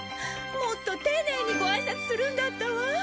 もっと丁寧にごあいさつするんだったわ。